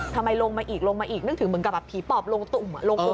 ทำไมลงมาอีกนึกถึงมึงกระบะผิดกฎหมายลงตุ๋ม